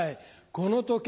この時計